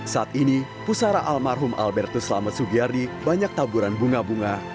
saat ini pusara almarhum albertus lama sugiyardi banyak taburan bunga bunga